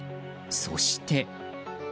そして。